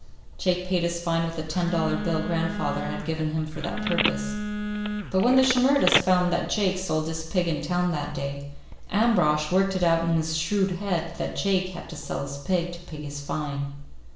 Jake paid his fine with a ten dollar bill grandfather had given him for that purpose. But when the Shimerdas found that Jake sold his pig in town that day, Ambrosch worked it out in his shrewd head that Jake had to sell his pig to pay his fine.